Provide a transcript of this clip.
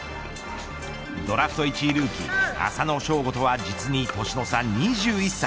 ドラフト１位ルーキー浅野翔吾とは実に年の差２１歳。